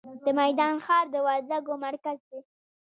د میدان ښار د وردګو مرکز دی